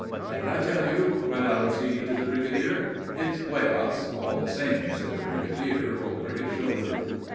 "What did I tell you?" cried Aristide to the brigadier. "It's Puégas, all the same," said the brigadier, over his shoulder.